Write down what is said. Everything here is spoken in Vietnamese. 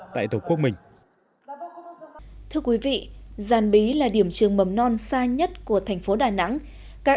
tại tổ quốc mình thưa quý vị giàn bí là điểm trường mầm non xa nhất của thành phố đà nẵng các